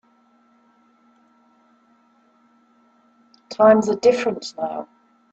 Times are different now.